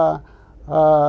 thì nó sẽ